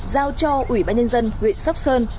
giao cho ủy ban nhân dân huyện sóc sơn